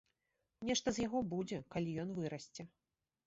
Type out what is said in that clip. Нешта з яго будзе, калі ён вырасце.